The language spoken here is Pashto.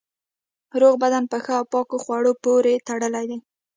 روغ بدن په ښه او پاکو خوړو پورې تړلی دی.